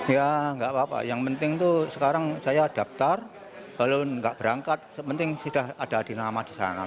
ya enggak apa apa yang penting itu sekarang saya daftar lalu enggak berangkat penting sudah ada dinama di sana